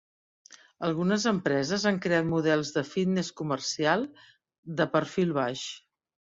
Algunes empreses han creat models de fitnes comercial de perfil baix.